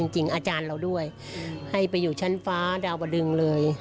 จริงอาจารย์เราด้วยให้ไปอยู่ชั้นฟ้าดาวบดึงเลย